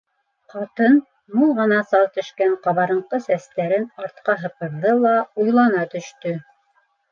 Ҡатын, мул ғына сал төшкән ҡабарынҡы сәстәрен артҡа һыпырҙы ла уйлана төштө: